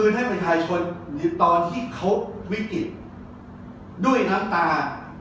มีาชนตอนที่เขาวิกฤตด้วยน้ำตา